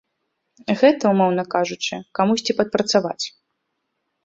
Гэта, умоўна кажучы, камусьці падпрацаваць.